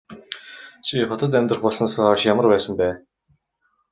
Чи хотод амьдрах болсноосоо хойш ямар байсан бэ?